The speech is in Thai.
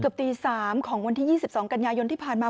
เกือบตีสามของวันที่ยี่สิบสองกันยายนที่ผ่านมา